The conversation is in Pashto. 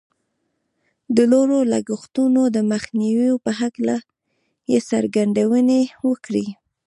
د لوړو لګښتونو د مخنيوي په هکله يې څرګندونې وکړې.